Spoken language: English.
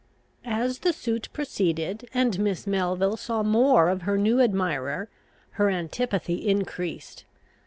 As the suit proceeded, and Miss Melville saw more of her new admirer, her antipathy increased.